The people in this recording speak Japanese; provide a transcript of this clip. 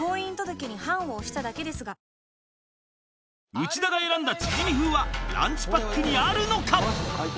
内田が選んだチヂミ風はランチパックにあるのか！